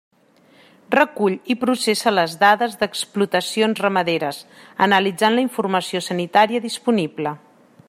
Recull i processa les dades d'explotacions ramaderes, analitzant la informació sanitària disponible.